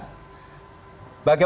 bagaimana kebutuhan kita